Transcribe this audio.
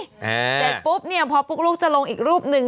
แต่ปุ๊บเนี่ยเพราะปุ๊บลูกจะลงอีกรูปนึง